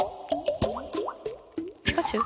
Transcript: ピカチュウ？